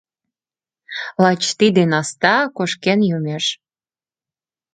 Лач тиде наста кошкен йомеш.